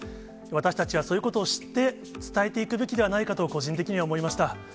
私たちはそういうことを知って、伝えていくべきではないかと個人的には思いました。